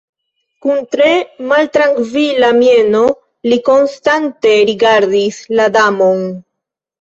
Kun tre maltrankvila mieno li konstante rigardis la Damon.